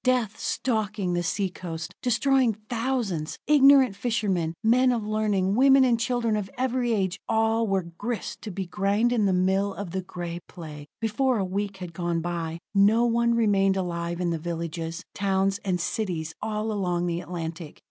Death stalking the sea coast, destroying thousands; ignorant fishermen, men of learning, women and children of every age all were grist to be ground in the mill of the Gray Plague. Before a week had gone by, no one remained alive in the villages, towns and cities all along the Atlantic.